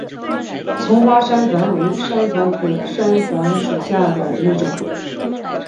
丛花山矾为山矾科山矾属下的一个种。